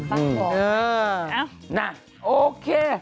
ฟังค่ะเออเอานะโอเค